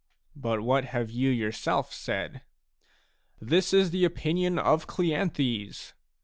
But what have you yourself said? "This is the opinion of Cleanthes."